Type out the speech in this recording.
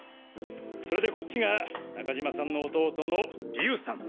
それでこっちが中島さんの弟の隆さん。